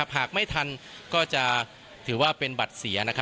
หากไม่ทันก็จะถือว่าเป็นบัตรเสีย